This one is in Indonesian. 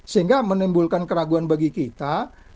sehingga menimbulkan keraguan bagi kita